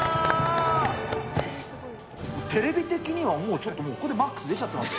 テレビ的にはもう、ちょっと、これ、マックス出ちゃってます？